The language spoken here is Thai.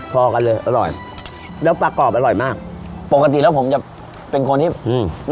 พอกันเลยอร่อยแล้วปลากรอบอร่อยมากปกติแล้วผมจะเป็นคนที่อืม